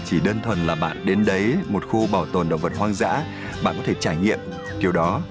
hẹn gặp lại các bạn trong những video tiếp theo